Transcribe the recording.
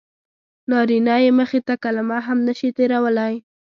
نارینه یې مخې ته کلمه هم نه شي تېرولی.